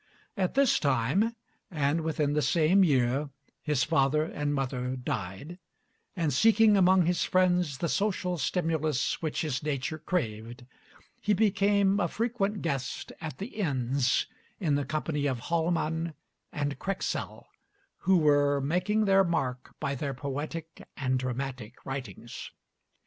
At this time, and within the same year, his father and mother died, and seeking among his friends the social stimulus which his nature craved, he became a frequent guest at the inns in the company of Hallman and Krexel, who were making their mark by their poetic and dramatic writings.